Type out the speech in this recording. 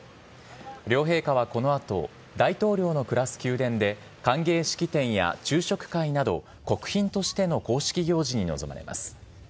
両陛下はこのあと、大統領の暮らす宮殿で、歓迎式典や昼食会など、国賓としての公式行事に臨まれます。